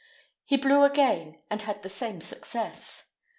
He blew again, and had the same success.